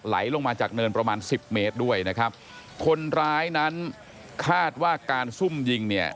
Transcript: ไหลลงมาจากเนินประมาณสิบเมตรด้วยนะครับคนร้ายนั้นคาดว่าการซุ่มยิงเนี่ย